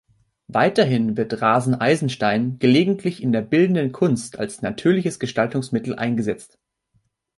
Weiterhin wird Raseneisenstein gelegentlich in der Bildenden Kunst als natürliches Gestaltungsmittel eingesetzt.